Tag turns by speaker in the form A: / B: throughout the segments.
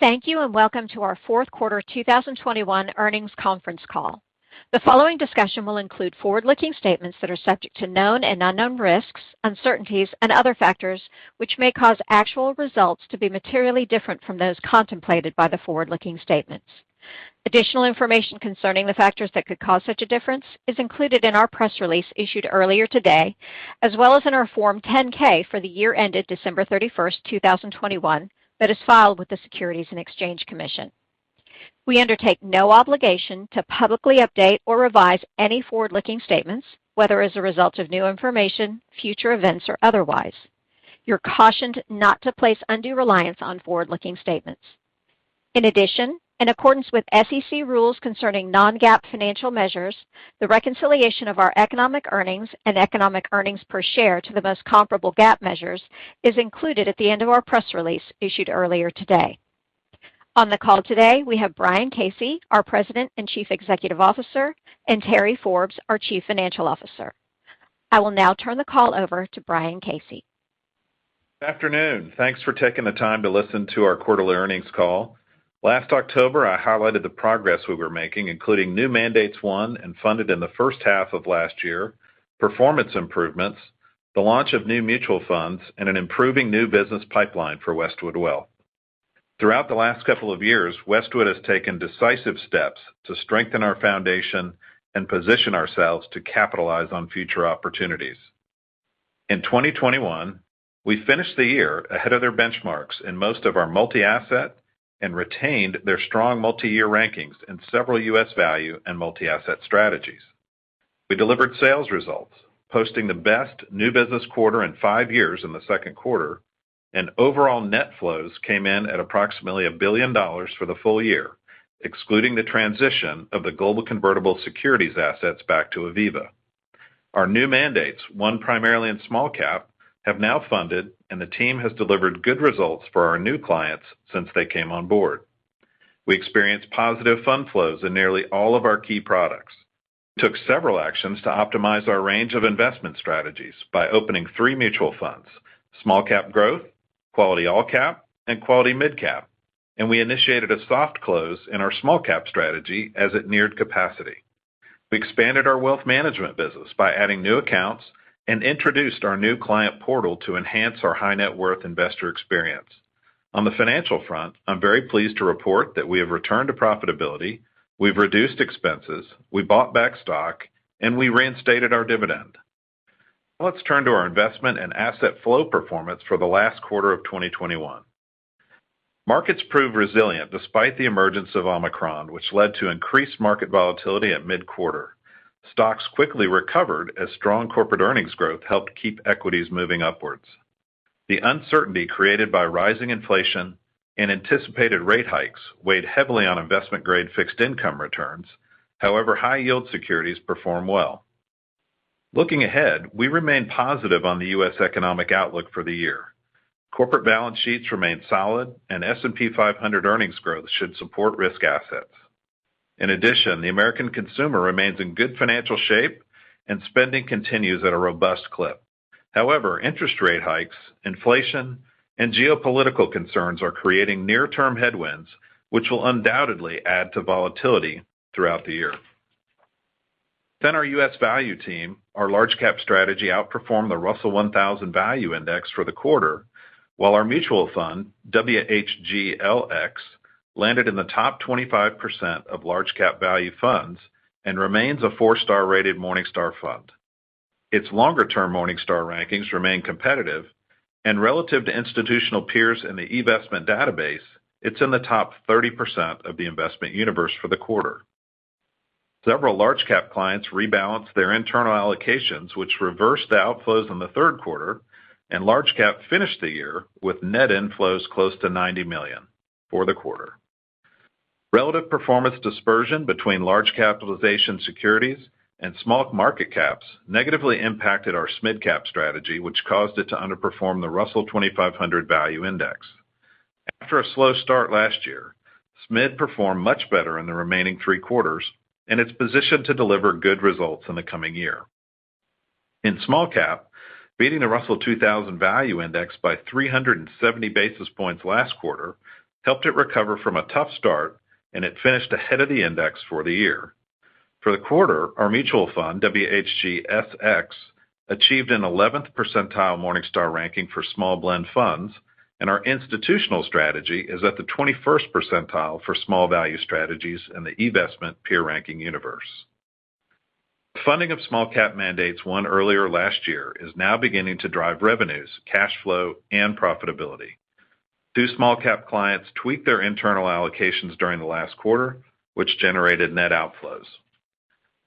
A: Thank you and welcome to our Q4 2021 earnings conference call. The following discussion will include forward-looking statements that are subject to known and unknown risks, uncertainties and other factors which may cause actual results to be materially different from those contemplated by the forward-looking statements. Additional information concerning the factors that could cause such a difference is included in our press release issued earlier today, as well as in our Form 10-K for the year ended December 31, 2021 that is filed with the Securities and Exchange Commission. We undertake no obligation to publicly update or revise any forward-looking statements, whether as a result of new information, future events or otherwise. You're cautioned not to place undue reliance on forward-looking statements. In addition, in accordance with SEC rules concerning non-GAAP financial measures, the reconciliation of our Economic earnings and Economic earnings per share to the most comparable GAAP measures is included at the end of our press release issued earlier today. On the call today, we have Brian Casey, our President and Chief Executive Officer, and Terry Forbes, our Chief Financial Officer. I will now turn the call over to Brian Casey.
B: Good afternoon. Thanks for taking the time to listen to our quarterly earnings call. Last October, I highlighted the progress we were making, including new mandates won and funded in the first half of last year, performance improvements, the launch of new mutual funds, and an improving new business pipeline for Westwood Wealth. Throughout the last couple of years, Westwood has taken decisive steps to strengthen our foundation and position ourselves to capitalize on future opportunities. In 2021, we finished the year ahead of their benchmarks in most of our multi-asset strategies and retained their strong multi-year rankings in several U.S. value and multi-asset strategies. We delivered sales results, posting the best new business quarter in 5 years in the Q2, and overall net flows came in at approximately $1 billion for the full year, excluding the transition of the global convertible securities assets back to Aviva. Our new mandates, won primarily in small cap, have now funded, and the team has delivered good results for our new clients since they came on board. We experienced positive fund flows in nearly all of our key products. Took several actions to optimize our range of investment strategies by opening three mutual funds, SmallCap Growth, Quality AllCap, and Quality MidCap. We initiated a soft close in our small cap strategy as it neared capacity. We expanded our wealth management business by adding new accounts and introduced our new client portal to enhance our high net worth investor experience. On the financial front, I'm very pleased to report that we have returned to profitability, we've reduced expenses, we bought back stock, and we reinstated our dividend. Let's turn to our investment and asset flow performance for the last quarter of 2021. Markets proved resilient despite the emergence of Omicron, which led to increased market volatility at mid-quarter. Stocks quickly recovered as strong corporate earnings growth helped keep equities moving upwards. The uncertainty created by rising inflation and anticipated rate hikes weighed heavily on investment-grade fixed income returns. However, high yield securities perform well. Looking ahead, we remain positive on the U.S. economic outlook for the year. Corporate balance sheets remain solid and S&P 500 earnings growth should support risk assets. In addition, the American consumer remains in good financial shape and spending continues at a robust clip. However, interest rate hikes, inflation, and geopolitical concerns are creating near-term headwinds, which will undoubtedly add to volatility throughout the year. Our U.S. value team, our large cap strategy outperformed the Russell 1000 Value Index for the quarter, while our mutual fund, WHGLX, landed in the top 25% of large cap value funds and remains a four-star rated Morningstar fund. Its longer-term Morningstar rankings remain competitive and relative to institutional peers in the investment database, it's in the top 30% of the investment universe for the quarter. Several large cap clients rebalanced their internal allocations, which reversed the outflows in the Q3, and large cap finished the year with net inflows close to $90 million for the quarter. Relative performance dispersion between large capitalization securities and small market caps negatively impacted our SMidCap strategy, which caused it to underperform the Russell 2500 Value Index. After a slow start last year, SMid performed much better in the remaining three quarters, and it's positioned to deliver good results in the coming year. In Small Cap, beating the Russell 2000 Value Index by 370 basis points last quarter helped it recover from a tough start, and it finished ahead of the index for the year. For the quarter, our mutual fund, WHGSX, achieved an 11th percentile Morningstar ranking for small blend funds, and our institutional strategy is at the 21st percentile for small value strategies in the investment peer ranking universe. Funding of Small Cap mandates won earlier last year is now beginning to drive revenues, cash flow, and profitability. Two Small Cap clients tweaked their internal allocations during the last quarter, which generated net outflows.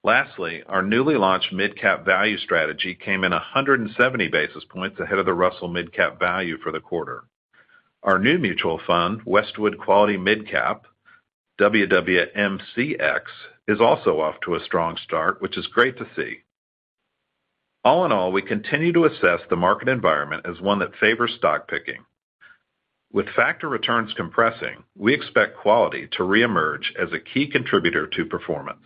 B: Lastly, our newly launched midcap value strategy came in 170 basis points ahead of the Russell Midcap Value for the quarter. Our new mutual fund, Westwood Quality MidCap, WWMCX, is also off to a strong start, which is great to see. All in all, we continue to assess the market environment as one that favors stock picking. With factor returns compressing, we expect quality to reemerge as a key contributor to performance.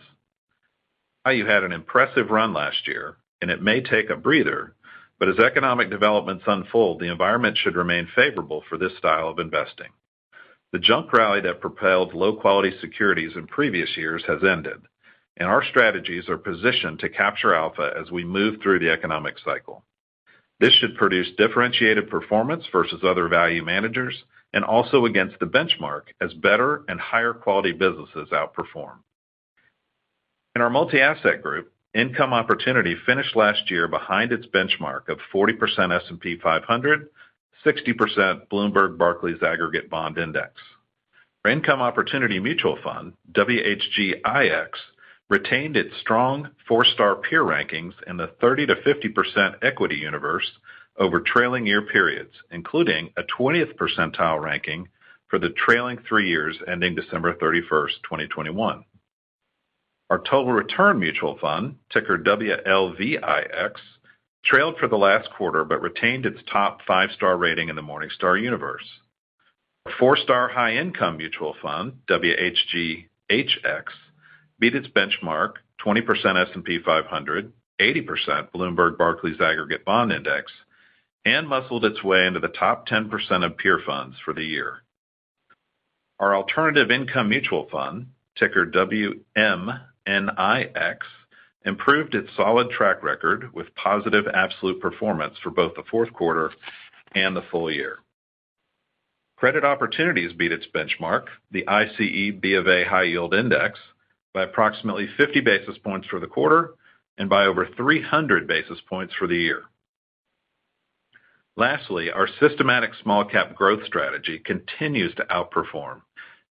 B: Value had an impressive run last year, and it may take a breather, but as economic developments unfold, the environment should remain favorable for this style of investing. The junk rally that propelled low-quality securities in previous years has ended, and our strategies are positioned to capture alpha as we move through the economic cycle. This should produce differentiated performance versus other value managers and also against the benchmark as better and higher-quality businesses outperform. In our multi-asset group, Income Opportunity finished last year behind its benchmark of 40% S&P 500, 60% Bloomberg Barclays Aggregate Bond Index. Our Income Opportunity Mutual Fund, WHGIX, retained its strong 4-star peer rankings in the 30%-50% equity universe over trailing year periods, including a 20th percentile ranking for the trailing three years ending December 31, 2021. Our Total Return Mutual Fund, ticker WLVIX, trailed for the last quarter but retained its top 5-star rating in the Morningstar universe. Our 4-star High Income Mutual Fund, WHGHX, beat its benchmark 20% S&P 500, 80% Bloomberg Barclays Aggregate Bond Index, and muscled its way into the top 10% of peer funds for the year. Our Alternative Income Mutual Fund, ticker WMNIX, improved its solid track record with positive absolute performance for both the Q4 and the full year. Credit Opportunities beat its benchmark, the ICE BofA High Yield Index, by approximately 50 basis points for the quarter and by over 300 basis points for the year. Lastly, our systematic small cap growth strategy continues to outperform,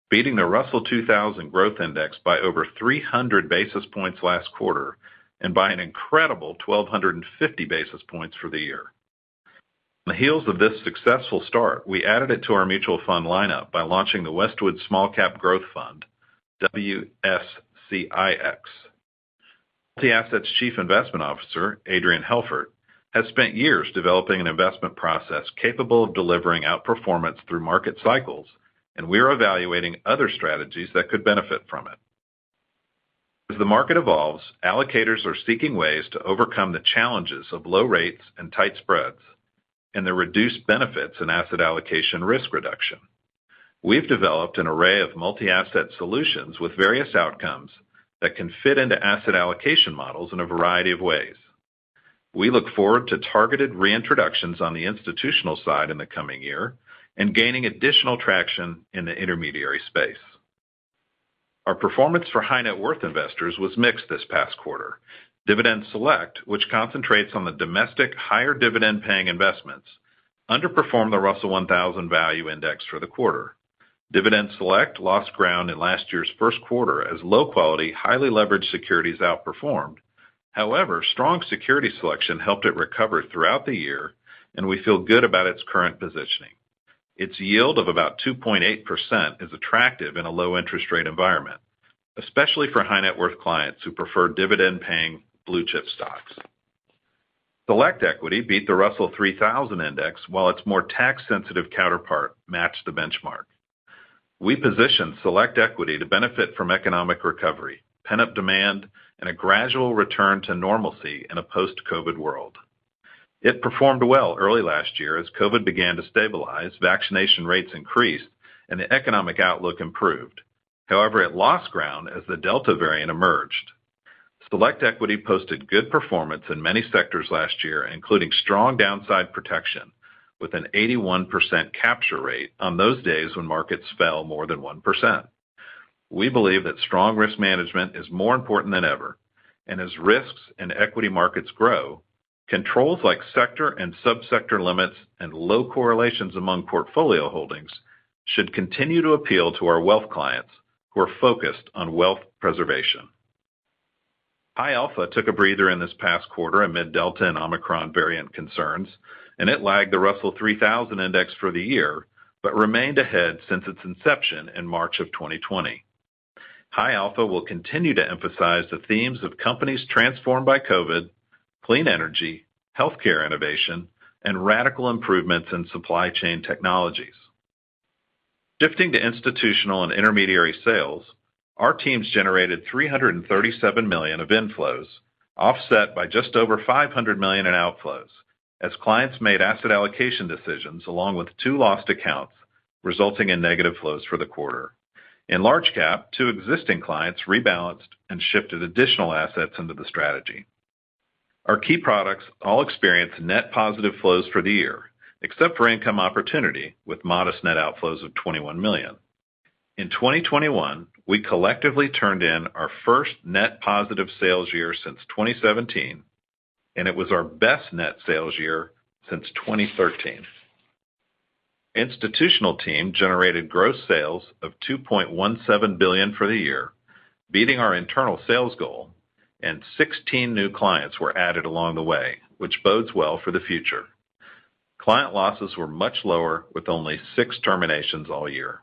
B: beating the Russell 2000 Growth Index by over 300 basis points last quarter and by an incredible 1,250 basis points for the year. On the heels of this successful start, we added it to our mutual fund lineup by launching the Westwood SmallCap Growth Fund, WSCIX. The assets' Chief Investment Officer, Adrian Helfert, has spent years developing an investment process capable of delivering outperformance through market cycles, and we are evaluating other strategies that could benefit from it. As the market evolves, allocators are seeking ways to overcome the challenges of low rates and tight spreads and the reduced benefits in asset allocation risk reduction. We've developed an array of multi-asset solutions with various outcomes that can fit into asset allocation models in a variety of ways. We look forward to targeted reintroductions on the institutional side in the coming year and gaining additional traction in the intermediary space. Our performance for high net worth investors was mixed this past quarter. Dividend Select, which concentrates on the domestic higher dividend paying investments, underperformed the Russell 1000 Value Index for the quarter. Dividend Select lost ground in last year's Q1 as low-quality, highly leveraged securities outperformed. However, strong security selection helped it recover throughout the year, and we feel good about its current positioning. Its yield of about 2.8% is attractive in a low interest rate environment, especially for high net worth clients who prefer dividend paying blue-chip stocks. Select Equity beat the Russell 3000 Index, while its more tax-sensitive counterpart matched the benchmark. We positioned Select Equity to benefit from economic recovery, pent-up demand, and a gradual return to normalcy in a post-COVID world. It performed well early last year as COVID began to stabilize, vaccination rates increased, and the economic outlook improved. However, it lost ground as the Delta variant emerged. Select Equity posted good performance in many sectors last year, including strong downside protection with an 81% capture rate on those days when markets fell more than 1%. We believe that strong risk management is more important than ever. As risks in equity markets grow, controls like sector and subsector limits and low correlations among portfolio holdings should continue to appeal to our wealth clients who are focused on wealth preservation. High Alpha took a breather in this past quarter amid Delta and Omicron variant concerns, and it lagged the Russell 3000 Index for the year but remained ahead since its inception in March 2020. High Alpha will continue to emphasize the themes of companies transformed by COVID, clean energy, healthcare innovation, and radical improvements in supply chain technologies. Shifting to institutional and intermediary sales, our teams generated $337 million of inflows, offset by just over $500 million in outflows as clients made asset allocation decisions along with two lost accounts, resulting in negative flows for the quarter. In large cap, two existing clients rebalanced and shifted additional assets into the strategy. Our key products all experienced net positive flows for the year, except for Income Opportunity, with modest net outflows of $21 million. In 2021, we collectively turned in our first net positive sales year since 2017, and it was our best net sales year since 2013. Institutional team generated gross sales of $2.17 billion for the year, beating our internal sales goal, and 16 new clients were added along the way, which bodes well for the future. Client losses were much lower, with only 6 terminations all year.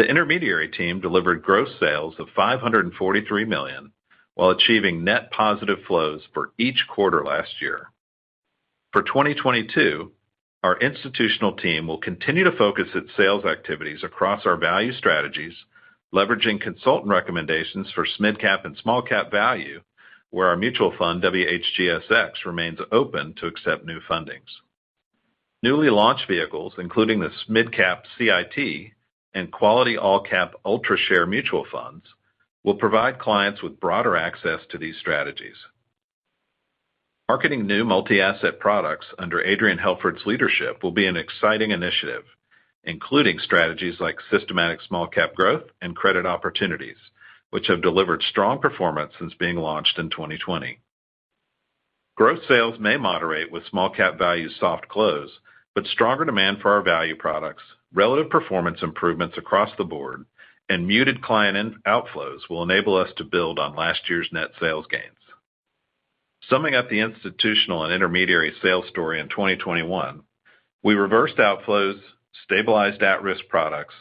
B: The intermediary team delivered gross sales of $543 million while achieving net positive flows for each quarter last year. For 2022, our institutional team will continue to focus its sales activities across our value strategies, leveraging consultant recommendations for midcap and small cap value, where our mutual fund WHGSX remains open to accept new fundings. Newly launched vehicles, including this midcap CIT and Quality AllCap Ultra Shares mutual funds will provide clients with broader access to these strategies. Marketing new multi-asset products under Adrian Helfert's leadership will be an exciting initiative, including strategies like systematic SmallCap Growth and Credit Opportunities, which have delivered strong performance since being launched in 2020. Growth sales may moderate with small cap value soft close, but stronger demand for our value products, relative performance improvements across the board, and muted client outflows will enable us to build on last year's net sales gains. Summing up the institutional and intermediary sales story in 2021, we reversed outflows, stabilized at-risk products,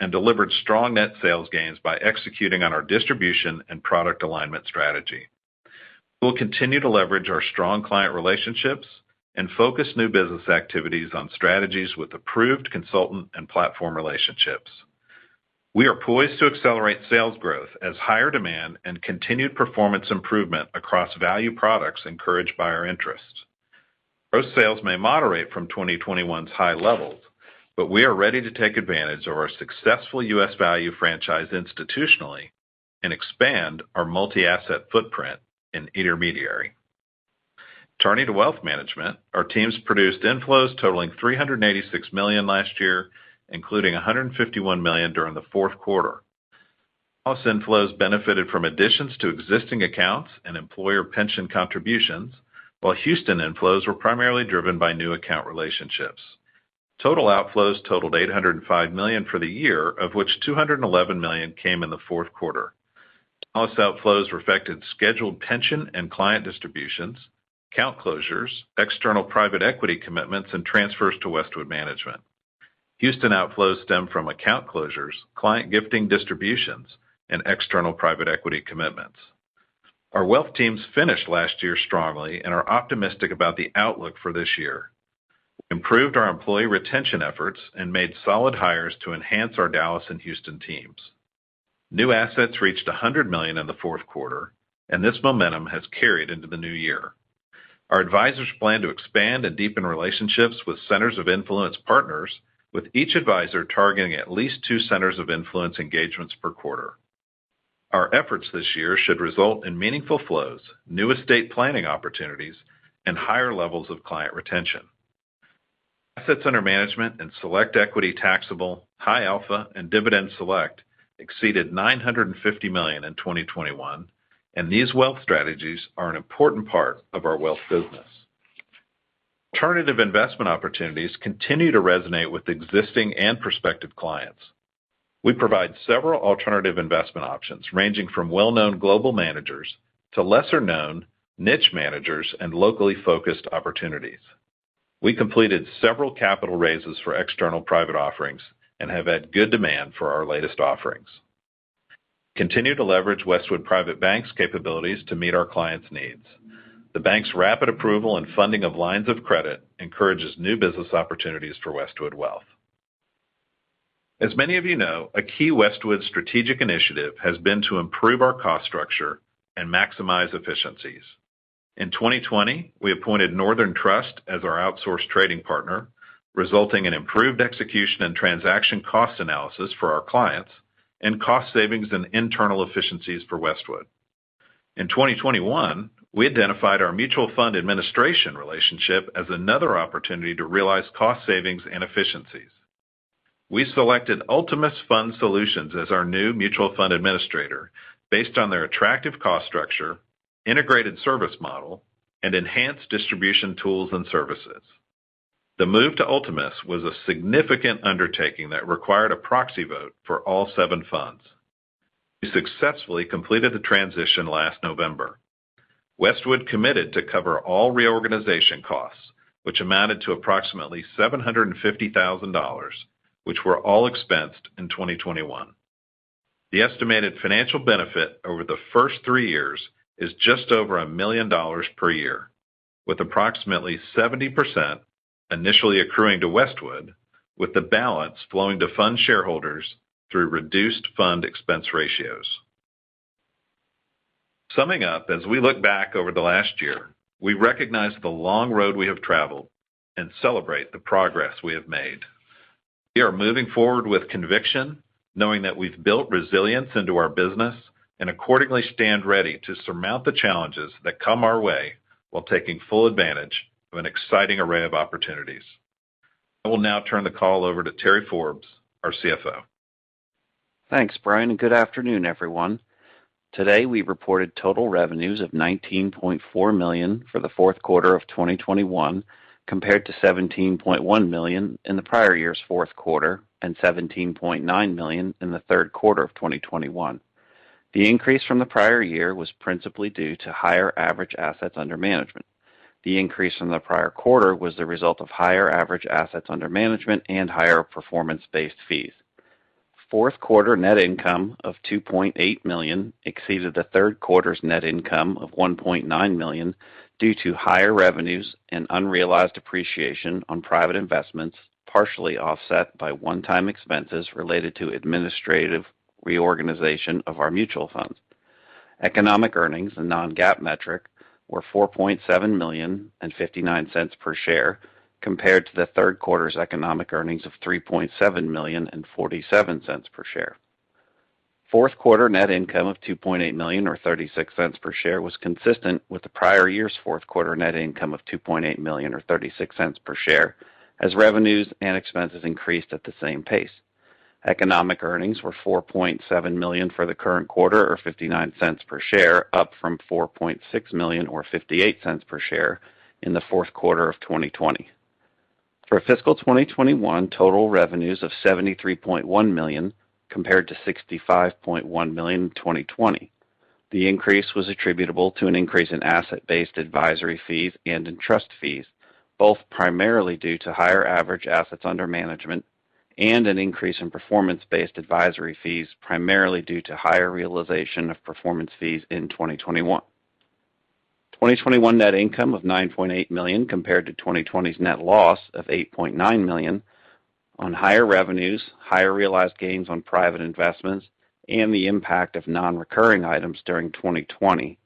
B: and delivered strong net sales gains by executing on our distribution and product alignment strategy. We'll continue to leverage our strong client relationships and focus new business activities on strategies with approved consultant and platform relationships. We are poised to accelerate sales growth as higher demand and continued performance improvement across value products encouraged by our investors. Those sales may moderate from 2021's high levels, but we are ready to take advantage of our successful U.S. value franchise institutionally and expand our multi-asset footprint in intermediary. Turning to Wealth Management, our teams produced inflows totaling $386 million last year, including $151 million during the Q4. In-house inflows benefited from additions to existing accounts and employer pension contributions, while institutional inflows were primarily driven by new account relationships. Total outflows totaled $805 million for the year, of which $211 million came in the Q4. In-house outflows reflected scheduled pension and client distributions, account closures, external private equity commitments, and transfers to Westwood Management. Houston outflows stem from account closures, client gifting distributions, and external private equity commitments. Our wealth teams finished last year strongly and are optimistic about the outlook for this year. We improved our employee retention efforts and made solid hires to enhance our Dallas and Houston teams. New assets reached $100 million in the Q4, and this momentum has carried into the new year. Our advisors plan to expand and deepen relationships with centers of influence partners, with each advisor targeting at least two centers of influence engagements per quarter. Our efforts this year should result in meaningful flows, new estate planning opportunities, and higher levels of client retention. Assets under management and Select Equity taxable, High Alpha, and Dividend Select exceeded $950 million in 2021, and these wealth strategies are an important part of our wealth business. Alternative investment opportunities continue to resonate with existing and prospective clients. We provide several alternative investment options ranging from well-known global managers to lesser-known niche managers and locally focused opportunities. We completed several capital raises for external private offerings and have had good demand for our latest offerings. Continue to leverage Westwood Private Bank's capabilities to meet our clients' needs. The bank's rapid approval and funding of lines of credit encourages new business opportunities for Westwood Wealth. As many of you know, a key Westwood strategic initiative has been to improve our cost structure and maximize efficiencies. In 2020, we appointed Northern Trust as our outsource trading partner, resulting in improved execution and transaction cost analysis for our clients and cost savings and internal efficiencies for Westwood. In 2021, we identified our mutual fund administration relationship as another opportunity to realize cost savings and efficiencies. We selected Ultimus Fund Solutions as our new mutual fund administrator based on their attractive cost structure, integrated service model, and enhanced distribution tools and services. The move to Ultimus was a significant undertaking that required a proxy vote for all 7 funds. We successfully completed the transition last November. Westwood committed to cover all reorganization costs, which amounted to approximately $750,000, which were all expensed in 2021. The estimated financial benefit over the first 3 years is just over $1 million per year, with approximately 70% initially accruing to Westwood, with the balance flowing to fund shareholders through reduced fund expense ratios. Summing up as we look back over the last year, we recognize the long road we have traveled and celebrate the progress we have made. We are moving forward with conviction, knowing that we've built resilience into our business and accordingly stand ready to surmount the challenges that come our way while taking full advantage of an exciting array of opportunities. I will now turn the call over to Terry Forbes, our CFO.
C: Thanks, Brian, and good afternoon, everyone. Today, we reported total revenues of $19.4 million for the Q4 of 2021 compared to $17.1 million in the prior year's Q4 and $17.9 million in the Q3 of 2021. The increase from the prior year was principally due to higher average assets under management. The increase in the prior quarter was the result of higher average assets under management and higher performance-based fees. Q4 net income of $2.8 million exceeded the Q3's net income of $1.9 million due to higher revenues and unrealized appreciation on private investments, partially offset by one-time expenses related to administrative reorganization of our mutual funds. Economic earnings and non-GAAP metric were $4.7 million and $0.59 per share compared to the Q3's Economic earnings of $3.7 million and $0.47 per share. Q4 net income of $2.8 million or $0.36 per share was consistent with the prior year's Q4 net income of $2.8 million or $0.36 per share as revenues and expenses increased at the same pace. Economic earnings were $4.7 million for the current quarter or $0.59 per share, up from $4.6 million or $0.58 per share in the Q4 of 2020. For fiscal 2021, total revenues of $73.1 million compared to $65.1 million in 2020. The increase was attributable to an increase in asset-based advisory fees and in trust fees, both primarily due to higher average assets under management and an increase in performance-based advisory fees, primarily due to higher realization of performance fees in 2021. 2021 net income of $9.8 million compared to 2020's net loss of $8.9 million on higher revenues, higher realized gains on private investments, and the impact of non-recurring items during 2020,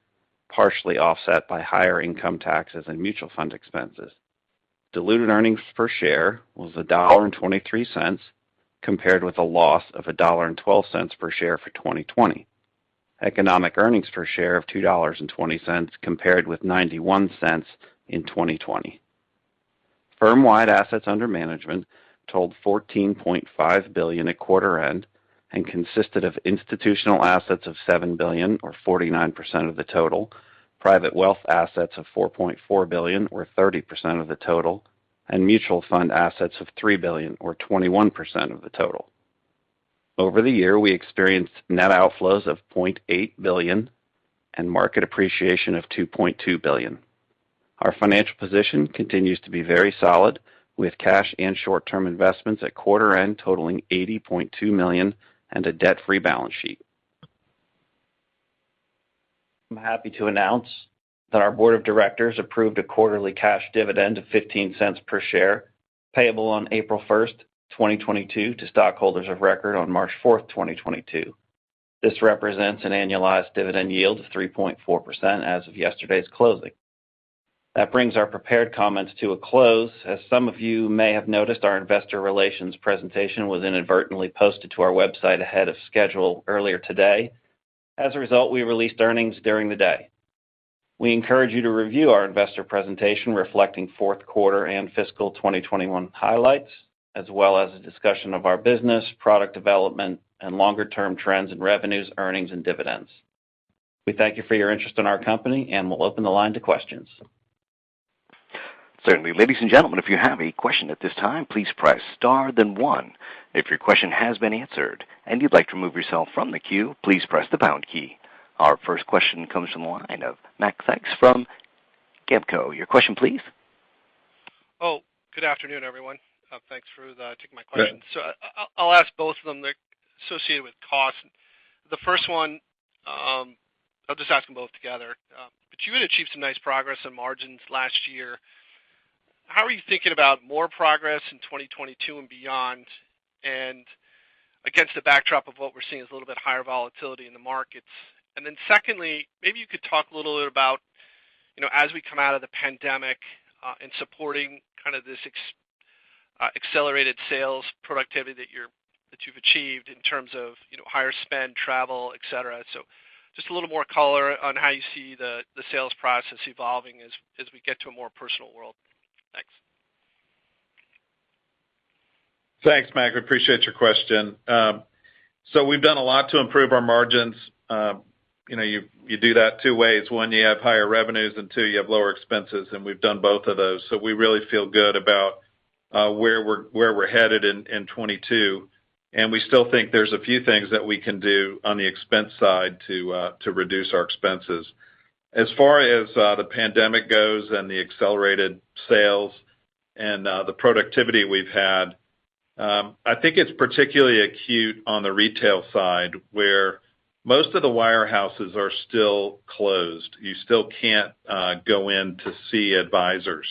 C: partially offset by higher income taxes and mutual fund expenses. Diluted earnings per share was $1.23, compared with a loss of $1.12 per share for 2020. Economic earnings per share of $2.20 compared with $0.91 in 2020. Firm-wide assets under management totaled $14.5 billion at quarter end and consisted of institutional assets of $7 billion or 49% of the total, private wealth assets of $4.4 billion or 30% of the total, and mutual fund assets of $3 billion or 21% of the total. Over the year, we experienced net outflows of $0.8 billion and market appreciation of $2.2 billion. Our financial position continues to be very solid with cash and short-term investments at quarter end totaling $80.2 million and a debt-free balance sheet. I'm happy to announce that our board of directors approved a quarterly cash dividend of $0.15 per share, payable on April 1, 2022 to stockholders of record on March 4, 2022. This represents an annualized dividend yield of 3.4% as of yesterday's closing. That brings our prepared comments to a close. As some of you may have noticed, our investor relations presentation was inadvertently posted to our website ahead of schedule earlier today. As a result, we released earnings during the day. We encourage you to review our investor presentation reflecting Q4 and fiscal 2021 highlights, as well as a discussion of our business, product development, and longer-term trends in revenues, earnings, and dividends. We thank you for your interest in our company, and we'll open the line to questions.
D: Certainly. Ladies and gentlemen, if you have a question at this time, please press star then one. If your question has been answered and you'd like to remove yourself from the queue, please press the pound key. Our first question comes from the line of Macrae Sykes from Gabelli & Co. Your question, please.
E: Good afternoon, everyone. Thanks for taking my question. I'll ask both of them. They're associated with cost. The first one, I'll just ask them both together. You had achieved some nice progress on margins last year. How are you thinking about more progress in 2022 and beyond? Against the backdrop of what we're seeing is a little bit higher volatility in the markets. Secondly, maybe you could talk a little bit about, you know, as we come out of the pandemic, and supporting kind of this accelerated sales productivity that you've achieved in terms of, you know, higher spend, travel, etc. Just a little more color on how you see the sales process evolving as we get to a more personal world. Thanks.
B: Thanks, Mac. I appreciate your question. We've done a lot to improve our margins. You do that two ways. One, you have higher revenues, and two, you have lower expenses, and we've done both of those. We really feel good about where we're headed in 2022. We still think there's a few things that we can do on the expense side to reduce our expenses. As far as the pandemic goes and the accelerated sales and the productivity we've had, I think it's particularly acute on the retail side, where most of the wirehouses are still closed. You still can't go in to see advisors.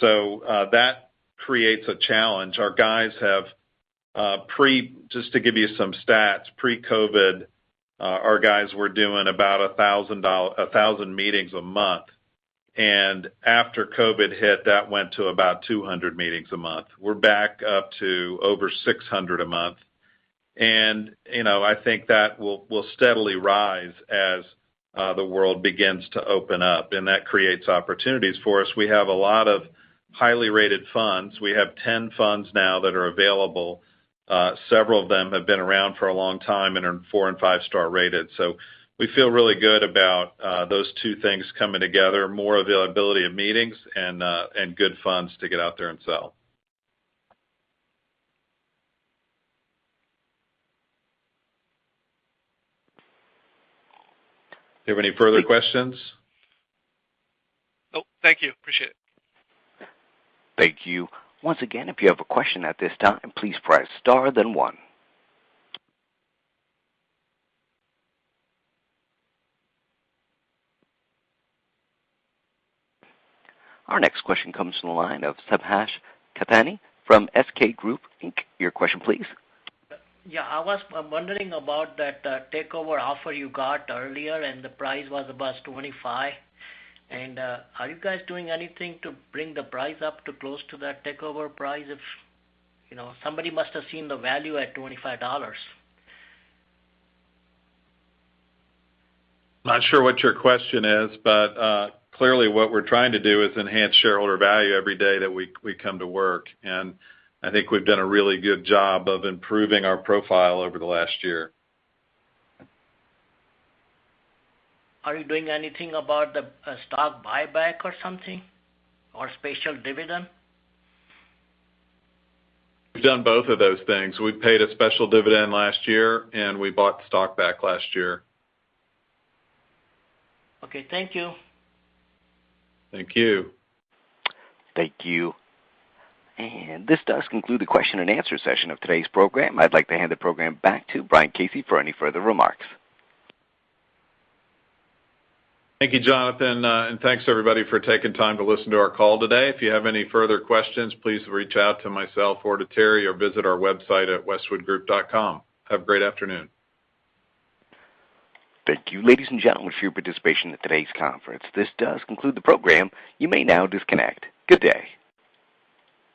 B: That creates a challenge. Our guys have pre... Just to give you some stats, pre-COVID, our guys were doing about 1,000 meetings a month. After COVID hit, that went to about 200 meetings a month. We're back up to over 600 a month. You know, I think that will steadily rise as the world begins to open up, and that creates opportunities for us. We have a lot of highly rated funds. We have 10 funds now that are available. Several of them have been around for a long time and are 4- and 5-star rated. We feel really good about those two things coming together, more availability of meetings and good funds to get out there and sell. Do you have any further questions.
E: Nope. Thank you. Appreciate it.
D: Thank you. Once again, if you have a question at this time, please press star then one. Our next question comes from the line of Subhash Kithany from SK Group Inc. Your question, please.
F: Yeah. I was wondering about that, takeover offer you got earlier, and the price was about $25. Are you guys doing anything to bring the price up to close to that takeover price? You know, somebody must have seen the value at $25.
B: Not sure what your question is, but clearly what we're trying to do is enhance shareholder value every day that we come to work. I think we've done a really good job of improving our profile over the last year.
F: Are you doing anything about the stock buyback or something or special dividend?
B: We've done both of those things. We paid a special dividend last year, and we bought stock back last year.
F: Okay, thank you.
B: Thank you.
D: Thank you. This does conclude the question and answer session of today's program. I'd like to hand the program back to Brian Casey for any further remarks.
B: Thank you, Jonathan. Thanks, everybody, for taking time to listen to our call today. If you have any further questions, please reach out to myself or to Terry or visit our website at westwoodgroup.com. Have a great afternoon.
D: Thank you, ladies and gentlemen, for your participation in today's conference. This does conclude the program. You may now disconnect. Good day.